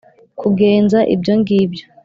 Kugenza ibyo ngibyo